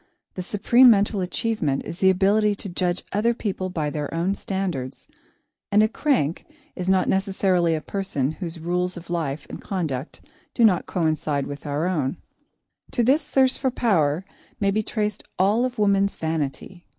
The supreme mental achievement is the ability to judge other people by their own standards, and a crank is not necessarily a person whose rules of life and conduct do not coincide with our own. [Sidenote: The Thirst for Power] To this thirst for power may be traced all of woman's vanity.